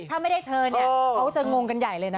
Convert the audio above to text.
ถ้าไม่ได้เธอเนี่ยเขาจะงงกันใหญ่เลยนะ